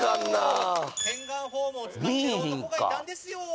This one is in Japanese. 洗顔フォームを使っている男がいたんですよ